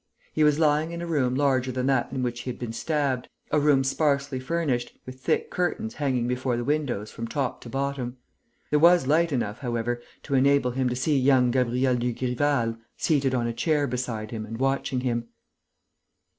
He was lying in a room larger than that in which he had been stabbed, a room sparsely furnished, with thick curtains hanging before the windows from top to bottom. There was light enough, however, to enable him to see young Gabriel Dugrival seated on a chair beside him and watching him.